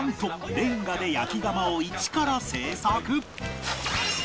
レンガで焼き窯を一から製作